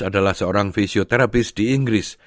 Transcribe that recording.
adalah seorang fisioterapis di inggris